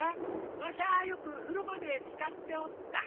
わしゃよく風呂場で使っておった。